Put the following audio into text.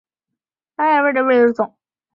泸定大油芒为禾本科大油芒属下的一个种。